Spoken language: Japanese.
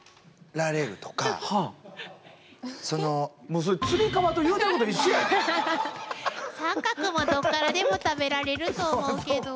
うげ⁉三角もどっからでも食べられると思うけど。